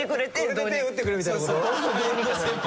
これで手を打ってくれみたいな事？